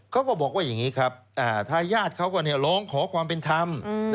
ก็บอกว่าอย่างนี้ครับทายาทเขาก็ร้องขอความเป็นธรรม